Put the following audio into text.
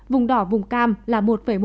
vùng đỏ vùng cam là một một